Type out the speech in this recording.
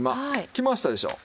きましたでしょう。